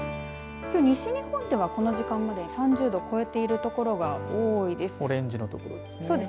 きょう西日本ではこの時間まだ３０度を超えている所が多いです。